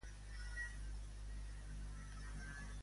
Quants cops ha reclamat calma Pellicer?